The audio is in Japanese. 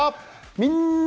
「みんな！